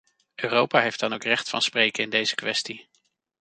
Europa heeft dan ook recht van spreken in deze kwestie.